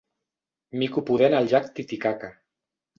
Mico pudent al llac Titicaca.